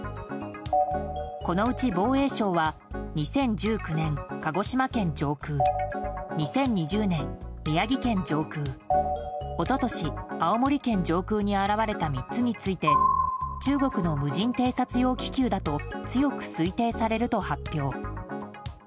このうち、防衛省は２０１９年、鹿児島県上空２０２０年、宮城県上空一昨年、青森県上空に現れた３つについて中国の無人偵察用気球だと強く推定されると発表。